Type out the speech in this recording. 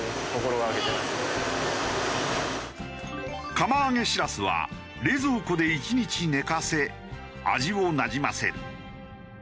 釜揚げしらすは冷蔵庫で１日寝かせ味をなじませる。